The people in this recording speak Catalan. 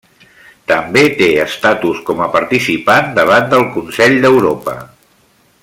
També té estatus com a participant davant del Consell d'Europa.